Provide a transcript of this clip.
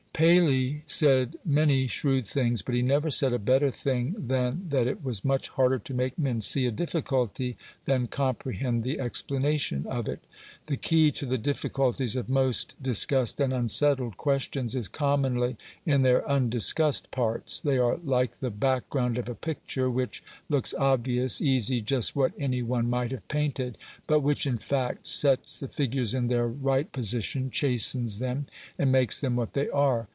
Paley said many shrewd things, but he never said a better thing than that it was much harder to make men see a difficulty than comprehend the explanation of it. The key to the difficulties of most discussed and unsettled questions is commonly in their undiscussed parts: they are like the background of a picture, which looks obvious, easy, just what any one might have painted, but which, in fact, sets the figures in their right position, chastens them, and makes them what they are.